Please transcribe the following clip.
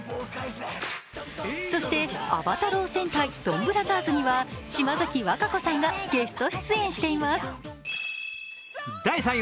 そして「暴太郎戦隊ドンブラザーズ」には、島崎和歌子さんがゲスト出演しています。